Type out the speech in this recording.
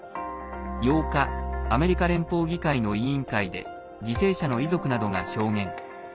８日アメリカ連邦議会の委員会で犠牲者の遺族などが証言。